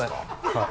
はい。